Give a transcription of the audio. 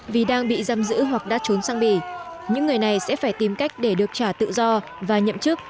vì đang bị giam giữ hoặc đã trốn sang bỉ những người này sẽ phải tìm cách để được trả tự do và nhậm chức